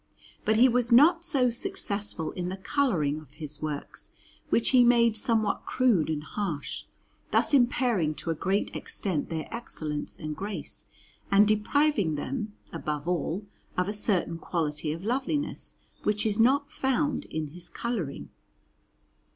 But he was not so successful in the colouring of his works, which he made somewhat crude and harsh, thus impairing to a great extent their excellence and grace, and depriving them, above all, of a certain quality of loveliness, which is not found in his colouring.